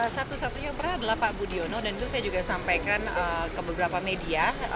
satu satunya yang pernah adalah pak budiono dan itu saya juga sampaikan ke beberapa media